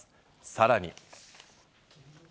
さらに。